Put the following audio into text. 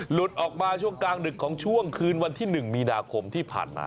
หลุดออกมาช่วงกลางดึกของช่วงคืนวันที่๑มีนาคมที่ผ่านมา